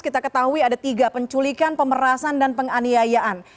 kita ketahui ada tiga penculikan pemerasan dan penganiayaan